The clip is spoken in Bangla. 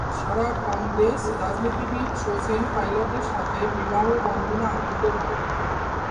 সারা কংগ্রেস রাজনীতিবিদ শচীন পাইলটের সাথে বিবাহ বন্ধনে আবদ্ধ হন।